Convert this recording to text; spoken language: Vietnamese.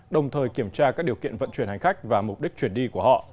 đồng thời kiểm tra các điều kiện vận chuyển hành khách